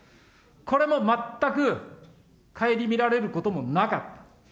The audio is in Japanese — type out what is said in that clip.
これも全く顧みられることもなかった。